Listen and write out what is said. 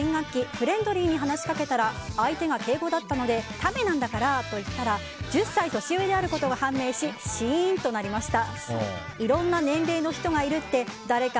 フレンドリーに話しかけたら相手が敬語だったのでタメなんだからと言ったら１０歳年上であることが判明しシーンとなりました。